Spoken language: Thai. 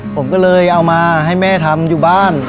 ผมก็เลยเอามาให้แม่ทำอยู่บ้าน